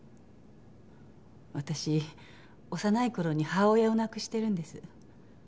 私幼い頃に母親を亡くしてるんです。